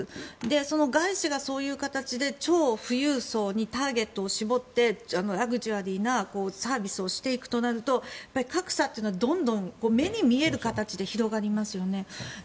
その外資がそういう形で超富裕層にターゲットを絞ってラグジュアリーなサービスをしていくとなると格差というのはどんどん目に見える形で広がりますよね。